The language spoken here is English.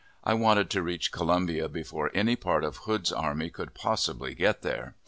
I wanted to reach Columbia before any part of Hood's army could possibly get there.